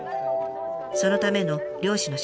そのための猟師の仕事。